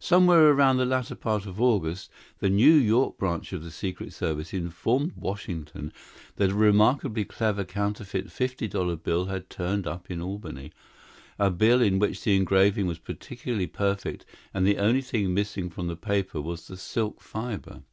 Somewhere around the latter part of August the New York branch of the Secret Service informed Washington that a remarkably clever counterfeit fifty dollar bill had turned up in Albany a bill in which the engraving was practically perfect and the only thing missing from the paper was the silk fiber.